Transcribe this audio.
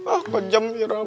oh kejam irah mang